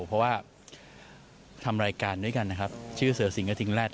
เพราะว่าทำรายการด้วยกันนะครับชื่อเสือสิงกระทิงแรด